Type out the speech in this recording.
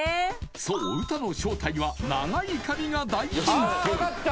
そうウタの正体は長い髪が大ヒント